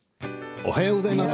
おはようございます。